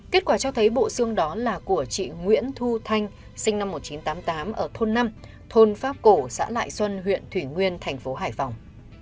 kết quả cho thấy bộ xương đó là của chị nguyễn thu thanh sinh năm một nghìn chín trăm tám mươi tám ở thôn năm thôn pháp cổ xã lại xuân huyện thủy nguyên thành phố hải phòng